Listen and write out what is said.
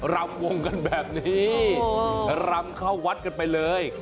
รำวงกันแบบนี้รำเข้าวัดกันไปเลย